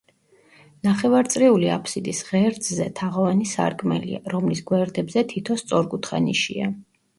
ნახევარწრიული აფსიდის ღერძზე თაღოვანი სარკმელია, რომლის გვერდებზე თითო სწორკუთხა ნიშია.